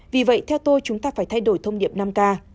vì vậy theo tôi chúng ta phải thay đổi thông điệp năm k